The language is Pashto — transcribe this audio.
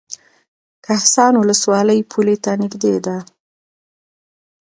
کهسان ولسوالۍ پولې ته نږدې ده؟